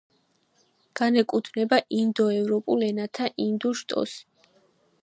განეკუთვნება ინდოევროპულ ენათა ინდურ შტოს.